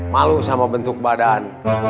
malu sama bentuk badan